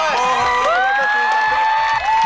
ตรงค่ะ